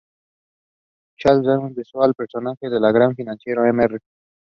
He lost both his parents early in life.